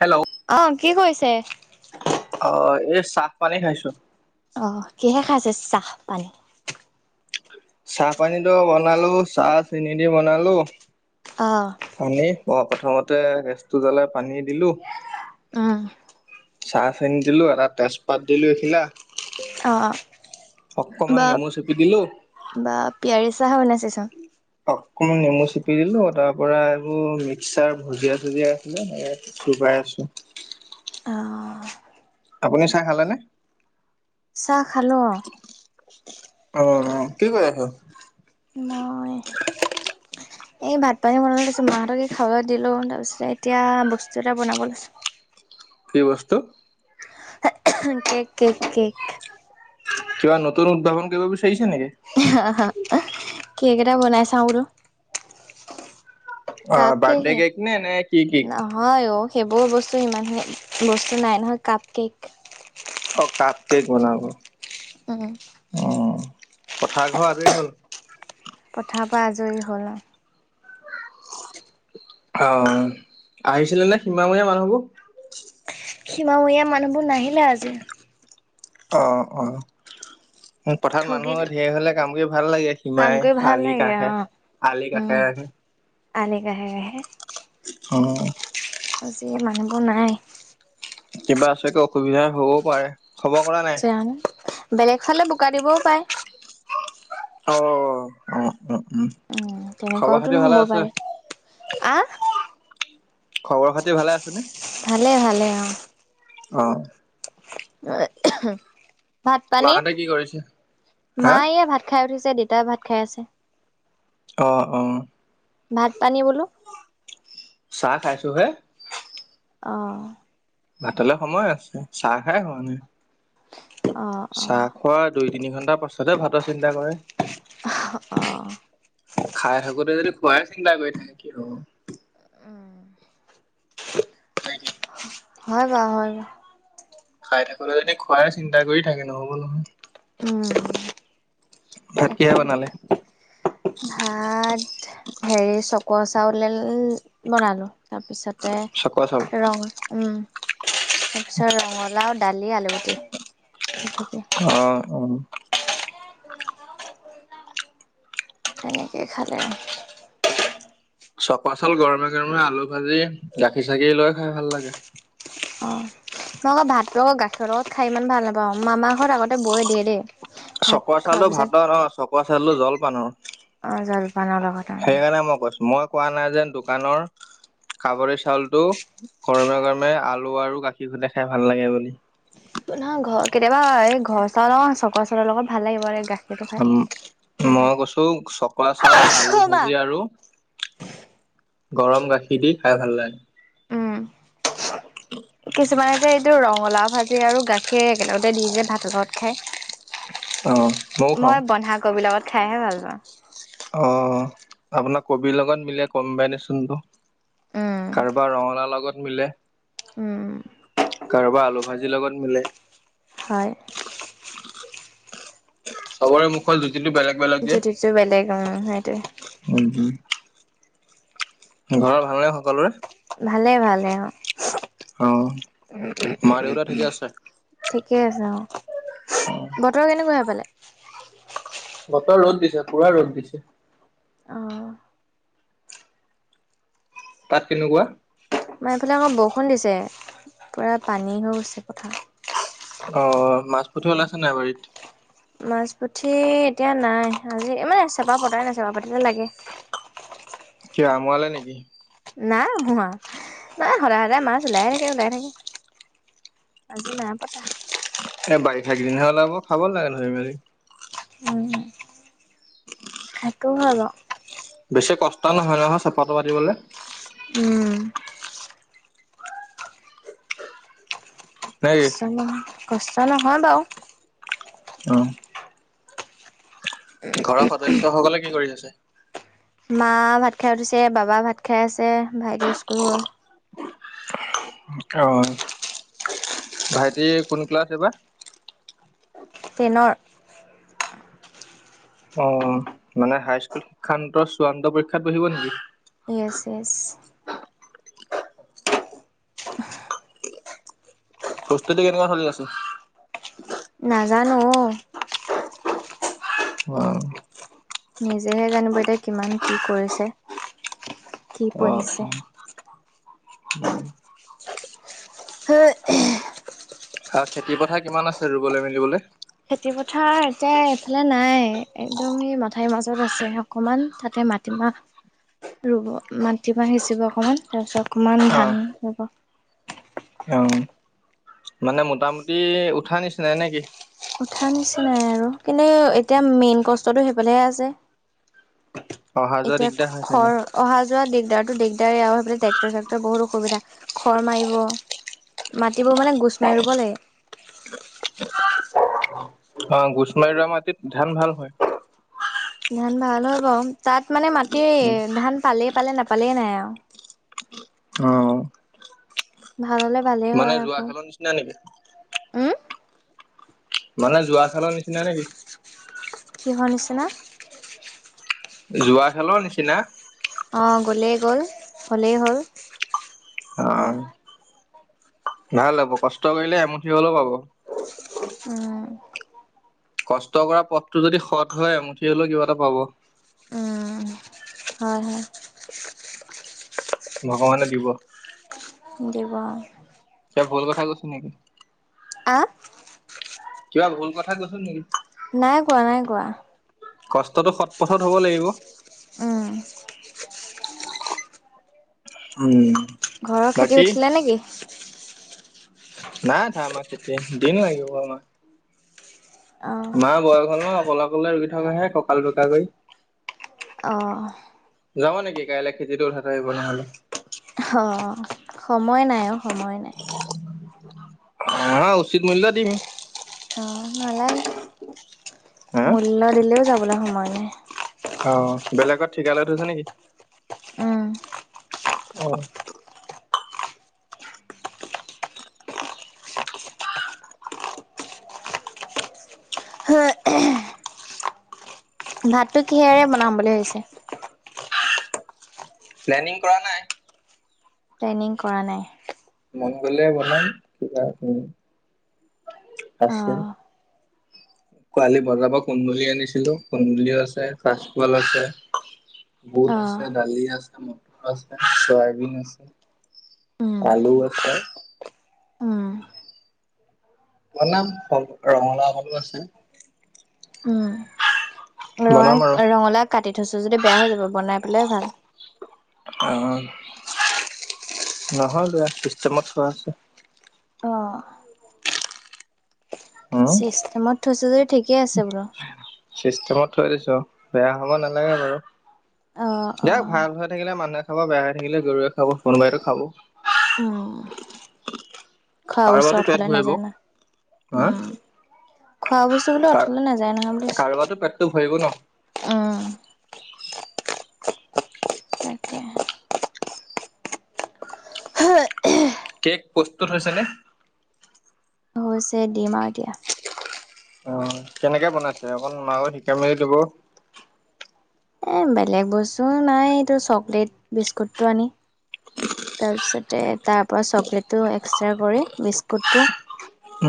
Hello অ কি কৰিছে অ এই চাহ পানী খাইছো অ কিহে খাইছে চাহ পানী চাহ পানীটো বনালো চাহ চেনি দি বনালো। অঁহ। পানী প প্ৰথমতে গেছটো জ্বলাই পানী দিলো। উম। চাহ চেনি দিলো এটা তেজপাত দিলো এখিলা। অ অ। অকমান নেমু চেপি দিলো। বা পিয়াৰী চাহে বনাইছেচোন। অকমান নেমু চেপি দিলো তাৰ পৰা এইবোৰ মিক্সাৰ ভূজিয়া চুজিয়া আছিলে। চোবাই আছো। আহ। আপুনি চাহ খালেনে। চাহ খালো অ। অ অ কি কৰি আছে। মই। এই ভাত পানী বনাই লৈছো মাহঁতক কি খাৱলৈ দিলো তাৰ পিছত এতিয়া বস্তু এটা বনাব লৈছো। কি বস্তু। হে এ হু কেক কেক কেক। কিবা নতুন উদ্ভাৱন কৰিব বিচাৰিছা নেকি? অহহ কেক এটা বনাই ছাও বোলো। অ কাপ বাৰ্থডে হে কেক নে এনে কি কেক। নহয় অ সেইবোৰ বস্তু ইমানে বস্তু নাই নহয় কাপ কেক। অ কাপ কেক বনাব। উম। অ পথাৰ ঘৰ আজিৰ হ'ল। পথা পা আজৰি হ'ল অ। অ আহিছিলে নে সীমামূৰীয়া মানুহবোৰ। সীমামূৰীয়া মানুহবোৰ নাহিলে আজি। অ অ। উম পথাৰত মানুহ ঠগিলে ধেই হ'লে কাম কৰি ভাল লাগে কাম সিমাই কৰি ভাল আলি লাগে কাষে অ' আলি উম, কাষে। আলি কাষে কাষে। অ। আজি মানুহবোৰ নাই। কিবা আছেক অসুবিধা হ'বও পাৰে। খবৰ কৰা নাই? জানো বেলেগ ফালে বোকা দিবও পায়। অ অ অ উম। খবৰ তেনেকুৱাওতো খাতি ভালে নহব আছে? পাৰে আহ। খবৰ খাতি ভালে আছেনে। ভালে ভালে অ। অ। এ আ হু ভাত পানী মাহঁতে কি কৰিছে? হা মায়ে ভাত। খাই উঠিছে দেউতাই ভাত খাই আছে। অ অ। ভাত পানী বোলো। চাহ খাইছো হে। অঁ। ভাতলৈ সময় আছে চাহ খোৱাই হোৱা নাই। অ' চাহ অ' খোৱা দুই - তিনি ঘণ্টাৰ পাছতে ভাতৰ চিন্তা কৰে। অ। খাই থাকোতে যদি খোৱাই চিন্তা কৰি থাকে অ। উম। নেকি? হয় বাৰু হয়। খাই থাকোতে যদি খোৱাই চিন্তা কৰি থাকে নহ'ব নহয়। উম। ভাত তাকে কিহে বনালে? ভাত হেৰি চকোৱা চাউলডাল বনালো। তাৰপিছতে চকোৱা চাউল ৰং উম। তাৰপিছত ৰঙালাও, দালি, আলু ভাজি। অ, উম। তেনেকেই খালে আৰু। চপা চাউল গৰমে গৰমে আলু ভাজি, গাখীৰ - চাকিৰ লৈ খাই ভাল লাগে। অঁ মই আকৌ ভাতটো আকৌ গাখীৰৰ লগত খাই ইমান ভাল নাপাওঁ, মামাৰ ঘৰত আগতে বয়ে দিয়ে দেই। ভাত চকোৱা খোৱাৰ চাউলো পিছত ভাতৰ অ চকোৱা চাউলো জল পান অ। অঁ জলপানৰ লগত অঁ সেইকাৰণে মই কৈছো, মই কোৱা নাই যেন দোকানৰ কাবৰি চাউলটো গৰমে - গৰমে আলু আৰু গাখীৰ সতে খাই ভাল লাগে বুলি। নহয় ঘৰ কেতিয়াবা এই ঘৰ চাউলৰ চকোৱা চাউলৰ লগত ভাল লাগিব ৰে উম, মই কৈছো চকা চাউল, আলু অঁ মা ভাজি আৰু গৰম গাখীৰ দি খাই ভাল লাগে। উম কিছুমানে যে এইটো ৰঙালাও ভাজি আৰু গাখীৰ একেলগতে দি যে ভাতৰ লগত খাই। অ' ময়ো খাওঁ। মই বন্ধাকবিৰ লগত খাইহে ভাল পাওঁ। অহ, আপোনাৰ কবিৰ লগত মিলে কমবাইনেচনটো। উম কাৰোবাৰ ৰঙালাও লগত মিলে। উম। কাৰোবাৰ আলু ভাজিৰ লগত মিলে। হয়। চবৰে মুখৰ জুতিটো বেলেগ- বেলেগ যে। চে বেলেগ অ সেইটোৱে। হয়জি। ঘৰৰ ভাল নে সকলোৰে? ভালে ভালে অ, চু অ উহ উহ উহ মা দেউতা ঠিকে উহ আছে উহ। ঠিকে আছে অ। চু অ বতৰ কেনেকুৱা সেইফালে? বতৰ ৰ'দ দিছে, পুৰা ৰ'দ দিছে। অঁ। তাত কেনেকুৱা? আমাৰ এইফালে আকৌ বৰষুণ দিছে, পূৰা পানী হৈ গৈছে পথাৰত। অ, মাছ পুঠি ওলাইছে নাই বাৰীত? মাছ পুঠি এতিয়া নাই, আজি ই মানে চেপা পতাই নাই চেপা পাতিলে লাগে। কিয় আমোৱালে নেকি? নাই হোৱা, নাই সদায় সদায় মাছ ওলাই থাকে ওলাই থাকে। আজি নাই পতা। এ বাৰিষা কেইদিনহে ওলাব খাব লাগে ধৰি মেলি। উম উম সেইটো হয় বাৰু। বেছি কষ্ট নহয় নহয় চেপাটো পাতিবলে। উম নে কি কষ্ট নহয় কষ্ট নহয় বাৰু। অঁ ঘৰৰ সদস্য সকলে কি কৰি আছে? মা ভাত খাই উঠিছে, বাবা ভাত খাই আছে, ভাইটি স্কুল গল। অ ভাইটি কোন ক্লাছ এইবাৰ? টেনৰ। অ মানে হাইস্কুল শিক্ষান্ত চূড়ান্ত পৰীক্ষাত বহিব নেকি? য়েছ য়েছ। [inaudible] প্ৰস্তুতি কেনেকুৱা চলি আছে? নাজানো অ, অ নিজেহে জানিব এতিয়া কিমান কি কৰিছে, কি অ পঢ়িছে। অ খেতি পথাৰ কিমান আছে ৰুবলৈ মেলিবলে? খেতি পথাৰ এতিয়া এইফালে নাই একদম ই মথাউৰি মাজত আছে। অকমান তাতে মাটিমাহ ৰুব, মাটিমাহ সিঁচিব অকমান। তাৰপিছত অকমান অ ধান ৰুব। অ মানে মোটামুটি উঠাৰ নিচিনাই নেকি? উঠা নিচিনাই আৰু কিন্তু এতিয়া মেইন কষ্টটো সেইফালে হে আছে। অহা যোৱা এতিয়া দিগদাৰ হয় চাগে। খৰ, অহা যোৱা দিগদাৰতো দিগদাৰে আৰু সেই ফালে ট্ৰেক্টৰ চেকটৰ বহুত অসুবিধা, খৰ মাৰিব। মাটিবোৰ মানে গোছ মাৰি ৰুব লাগে। অ গোছ মাৰি ৰুৱা মাটিত ধান ভাল হয়। ধান ভাল হয় বাৰু। তাত মানে মাটি ধান পালেই পালে নাপালেই নাই আৰু। অ ভাল হ'লে ভালে। মানে যোৱা খেলৰ নিচিনা নেকি? উম মানে যোৱা খেলৰ নিচিনা নেকি? কিহৰ নিচিনা? যোৱা খেলৰ নিচিনা। অঁ গ'লেই গ'ল হ'লেই হ'ল। অ উম ভাল হ'ব, কষ্ট কৰিলে এমুঠি হলেও পাব। উম কষ্ট কৰা পথটো যদি সৎ হয় এমুঠি হলেও কিবা এটা পাব। উম হয় হয়। ভগৱানে দিব। দিব অ, কিবা ভুল কথা কৈছ নেকি? আ কিবা ভুল কথা কৈছোঁ নেকি? নাই কোৱা, নাই কোৱা। কষ্টটো সৎ পথত হ'ব লাগিব। উম। উম। ঘৰৰ খেতি বাকী উঠিলে নেকি? নাই উঠা আমাৰ খেতি, দিন লাগিব আমাৰ। অ মাৰ বয়স হ'ল ন' অকলে অকলে ৰোগি থকাহে কঁকাল বেকা কৰি। অ'। যাবা নেকি কাইলে খেতিটো উঠাই থৈ আহিব নহ'লে। অ' সময় নাই অ' সময় নাই আহা উচিত মূল্য দিম। নালা, হা মূল্য দিলেও যাবলৈ সময় নাই। অ' বেলেগত ঠিকা লৈ থৈছা নেকি? উম অ' ভাতটো কিহেৰে বনাম বুলি ভাবিছে? প্লেনিং কৰা নাই। প্লেনিং কৰা নাই। মন গলে বনাম। কিবা, অ আছে। কোৱালি বজাৰ পৰা কুন্দুলি আনিছিলোঁ, কুন্দুলিও আছে, কাছকল আছে। বুট অ আছে, দালি আছে, মটৰ আছে, চয়াবিন আছে। উম আলু আছে। উম বনাম, ক ৰঙলাওখনো আছে। উম বনাম আৰু ৰঙা ৰঙালাও কাটি থৈছো যদি বেয়া হৈ যাব, বনাই পেলাই ভাল। [unintelligible] নহয় বা চিষ্টেমত থোৱা আছে। অ' উম চিষ্টেমত থৈছে যদি ঠিকে আছে বুলো। চিষ্টেমত থৈ দিছোঁ, বেয়া হ'ব নালাগে বাৰু। অ', দিয়ক অ'। ভাল হৈ থাকিলে মানুহে খাব, বেয়া হৈ থাকিলে গৰুৱে খাব, কোনোবাইতো খাব। উম। খোৱা বস্ত কাৰোবাৰতো পেট অথলে ভৰিব নাযায় না, হা উম। খোৱা বস্তু তো বুলো অথলে নাযায় নহয় বুলি কাৰোবাৰতো পেটটো ভৰিব ন [unintelligible] উম। তাকে। কেক প্ৰস্তুত হৈছেনে? হৈছে, দিম আৰু এতিয়া। অ' কেনেকে বনাইছে, অকণ মায়ো শিকাই মেলি দিব। এ, বেলেগ বস্তু নাই, এইটো চকলেট বিস্কুটটো আনি। তাৰপিছতে তাৰ পৰা চকলেটটো এক্সট্ৰা কৰি বিস্কুটটো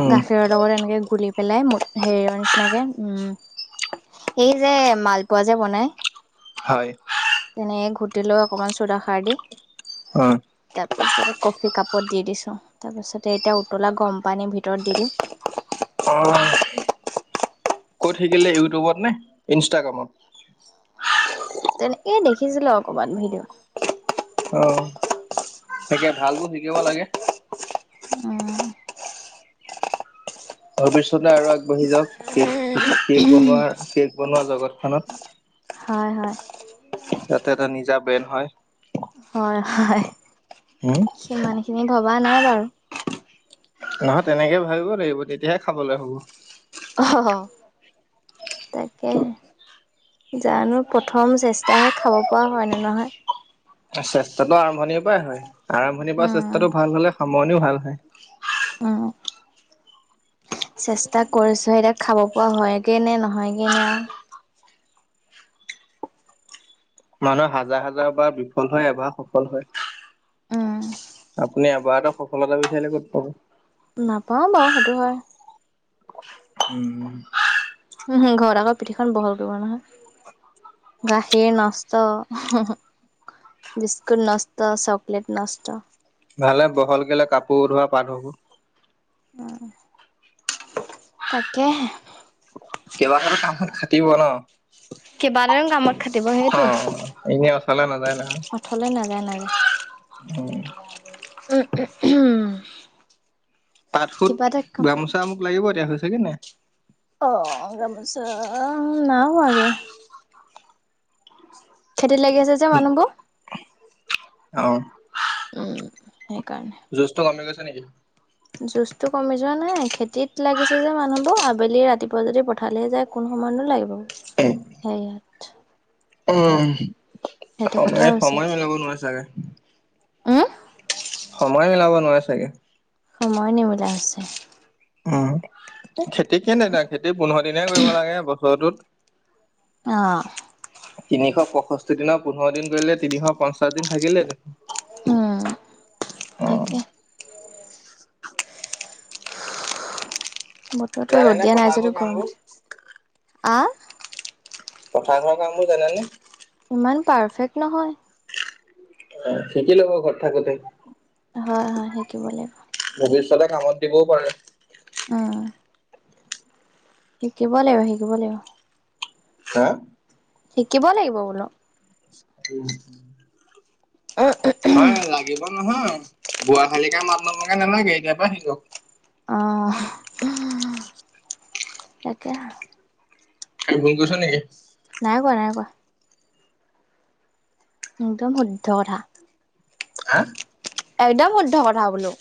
উম গাখীৰৰ লগত এনেকে গোলি পেলাই মত হেৰিৰ নিচিনাকে উম, এই যে মালপোৱা যে বনাই। হয়। তেনেক ঘুটিলৈ অকণমান ছোডা সাৰ দি। অ'। তাৰপিছতে কফি কাপত দি দিছোঁ, তাৰপিছতে এতিয়া উতলা গৰম পানীৰ ভিতৰত দি দিম। হয়। ক'ত শিকিলি, ইউটিউবত নে ইনষ্টাগ্ৰামত? তেনেকে, দেখিছিলোঁ অকণমান ভিদিওত। অ'! তাকে ভালবোৰ শিকিব লাগে। উম। ভৱিষ্যতে আৰু আগবাঢ়ি যাওঁক, কে'ক-কে'ক বনোৱাৰ, কেক বনোৱা জগতখনত। হয়! হয়, উম। ইয়াতে, এটা নিজা ব্ৰেণ্ড হয়। হয়, হয়! উম! ইমান খিনি ভবা নাই বাৰু। নহয়, তেনেকে ভাবিব লাগিব, তেতিয়াহে খাবলৈ হ'ব। অ'! তাকেহে। জানোঁ! প্ৰথম চেষ্টাহে, খাব পৰা হয় নে নহয়। চেষ্টাতো আৰম্ভণিৰ পৰাই হয়, আৰম্ভণিৰ পৰা উম চেষ্টাটো ভাল হ'লে, সামৰণিও ভাল হয়। উম [unintelligible] চেষ্টা কৰিছোঁ, এতিয়া খাব পৰা হয়গেনে, নহয়গেনে আৰু! মানুহে হাজাৰ-হাজাৰ বাৰ বিফল হয়, এবাৰ সফল হয়। উম আপুনি এবাৰতে সফলতা বিচাৰিলে, ক'ত পাব? নাপাওঁ বাৰু সেইটো হয়। উম। উম, হোঁ ঘৰত আ'ক পিঠিখন বহল কৰিব নহয়। [unintelligible] সেই নষ্ট! [unintelligible] বিস্কুট নষ্ট, চকলেট নষ্ট। ভালে বহল কৰিলে, কাপোৰ ধোৱা পাত হ'ব। অ'! তাকেহে! কিবা এটাটো কামত খাটিব ন'। কিবা এটা কামত খাটিব সেইটোৱে অ'! এনেই অথ'লে নাযায় নহয়। অথলে উম। উম, উম, উম। তাঁত-সুত, কাম গামোচা মোক লাগিব এতিয়া, হৈছেগে নাই? অ' অ'! গামোচা নাই হোৱাগে। খেতিত লাগি আছে, যে মানুহবোৰ। [unintelligible] অ'! উম, সেইকাৰণে। জোচটো কমি গৈছে নেকি? জোচটো কমি যোৱা নাই, খেতিত লাগিছে যে মানুহবোৰ, আবেলি-ৰাতিপুৱা যদি, পথাৰলে যায়। কোনো সময়তনো লাগিব, সেইয়াত। উম, হৈছে। সময়-সময় মিলাব নোৱাৰে চাগে। উম! সময় মিলাব নোৱাৰে চাগে। সময় নিমিলা হৈছে। উম! এ, খেতিকে নেতাই। খেতি পোন্ধৰ দিনহে কৰিব লাগে, বছৰটোত। অ'! তিনিশ পঁয়ষষ্ঠি দিনৰ, পোন্ধৰ দিন কৰিলে, তিনিশ পঞ্চাশ দিন থাকিলে। উম অ তাকে, বতৰটো ৰ'দ জানেনে দিয়া নাই পথাৰ যদিও ঘৰ গৰম কামবোৰ উঠিছে, আ পথাৰত কৰা কামবোৰ জানানে? ইমান পাৰফেক্ট নহয়। অ শিকি লব ঘৰত থাকোতে। হয় হয় শিকিব লাগিব। ভৱিষ্যতে কামত দিবও পাৰে। উম শিকিব লাগিব শিকিব লাগিব। হা শিকিব লাগিব বোলো। [unintelligible] [inaudible] হয় লাগিব নহয় বুৱা খালী কে মাত নমকে নালাগে এতিয় পৰা শিকক। অঁ তাকে সেই ভুল কৈছোঁ নেকি? নাই কোৱা নাই কোৱা। একদম শুদ্ধ কথা। হা একদম শুদ্ধ কথা বোলো।